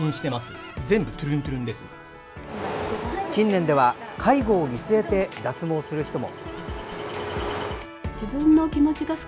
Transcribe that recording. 近年では介護を見据えて脱毛する人も。